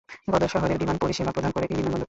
গদর শহরের বিমান পরিসেবা প্রদান করে এই বিমানবন্দরটি।